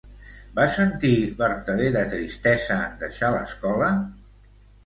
Va sentir vertadera tristesa en deixar l'escola?